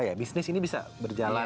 ya bisnis ini bisa berjalan